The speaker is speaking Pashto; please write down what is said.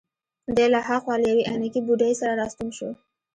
دی له هاخوا له یوې عینکې بوډۍ سره راستون شو.